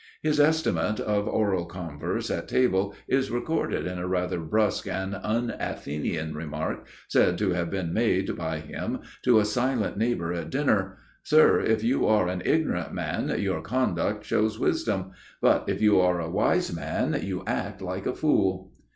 His estimate of oral converse at table is recorded in a rather brusque and un Athenian remark said to have been made by him to a silent neighbor at dinner: "Sir, if you are an ignorant man, your conduct shows wisdom; but if you are a wise man, you act like a fool."